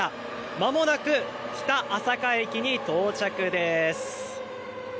まもなく北朝霞駅に到着です。